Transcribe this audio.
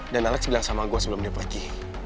dan alex bilang sama gue sebelum dia pergi